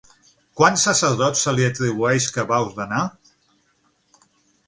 Quants sacerdots se li atribueix que va ordenar?